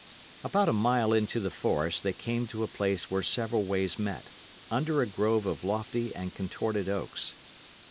About a mile into the forest they came to a place where several ways met, under a grove of lofty and contorted oaks.